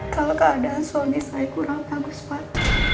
kalau keadaan suami saya kurang bagus pak